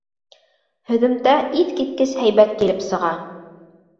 Һөҙөмтә иҫ киткес һәйбәт килеп сыға.